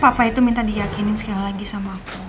papa itu minta diyakinin sekali lagi sama aku